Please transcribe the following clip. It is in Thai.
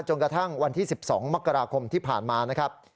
กระทั่งวันที่๑๒มกราคมที่ผ่านมานะครับ